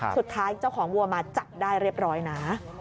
เจ้าของวัวมาจับได้เรียบร้อยนะ